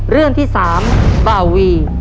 เรื่องที่๓บาวี